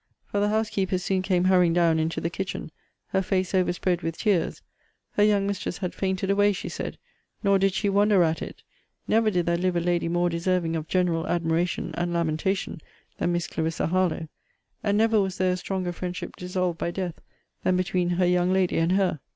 For the housekeeper soon came hurrying down into the kitchen, her face overspread with tears her young mistress had fainted away, she said nor did she wonder at it never did there live a lady more deserving of general admiration and lamentation, than Miss Clarissa Harlowe! and never was there a stronger friendship dissolved by death than between her young lady and her.